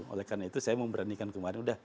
oleh karena itu saya memberanikan kemarin udah